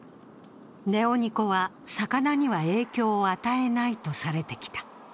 ネオニコは魚には影響を与えないとされてきた。